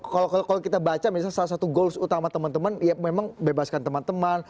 kalau kita baca misalnya salah satu goals utama teman teman ya memang bebaskan teman teman